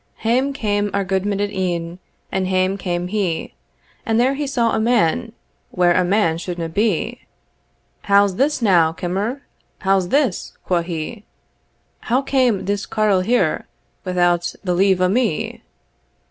Hame came our gudeman at e'en, And hame came he, And there he saw a man Where a man suldna be. "How's this now, kimmer? How's this?" quo he, "How came this carle here Without the leave o' me?"